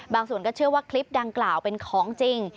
ส่วนก็เชื่อว่าคลิปดังกล่าวเป็นของจริง